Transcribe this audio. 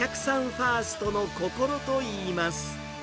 ファーストの心といいます。